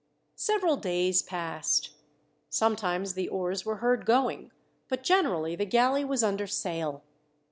Several days passed. Sometimes the oars were heard going, but generally the galley was under sail.